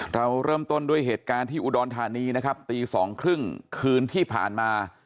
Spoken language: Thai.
เราเริ่มต้นด้วยเหตุการณ์ที่อุดรธานีนะครับตีสองครึ่งคืนที่ผ่านมา